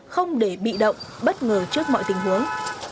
không để bị động bất ngờ trước mọi tình huống